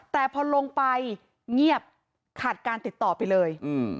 แต่พอลงไปเงียบขาดการติดต่อไปเลย